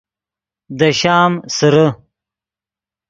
دے شام سیرے